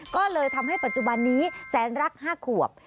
ก็เลยทำให้ปัจจุบันนี้แสนรัก๕ขวบ